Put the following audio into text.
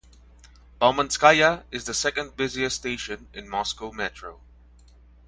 Baumanskaya is the second busiest station in Moscow Metro.